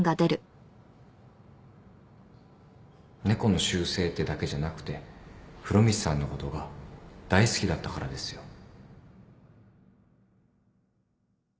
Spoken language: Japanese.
猫の習性ってだけじゃなくて風呂光さんのことが大好きだったからですよ